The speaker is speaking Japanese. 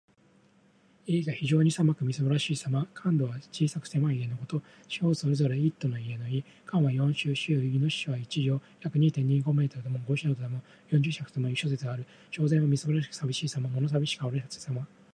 家が非常に狭く、みすぼらしくさびしいさま。「環堵」は小さく狭い家のこと。四方それぞれ一堵の家の意。「環」は四周・周囲。「堵」は一丈（約二・二五メートル）とも五丈とも四十尺ともいい諸説ある。「蕭然」はみすぼらしくさびしいさま。物さびしく荒れ果てたさま。